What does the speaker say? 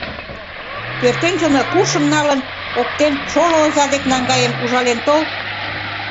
Пӧртӧнчылнӧ куршым налын, оптен, шоло оза дек наҥгаен, ужален тол.